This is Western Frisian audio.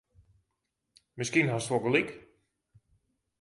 Miskien hast wol gelyk.